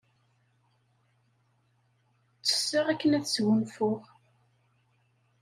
Ttesseɣ akken ad sgunfuɣ.